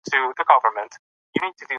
د چا لخوا ماته په واټساپ کې ویډیو راغلې ده؟